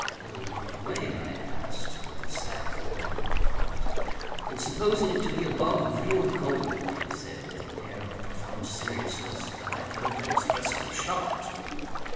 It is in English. "In what way?" I asked, with a sad foreboding at heart. "In supposing it to be a bug of real gold." He said this with an air of profound seriousness, and I felt inexpressibly shocked.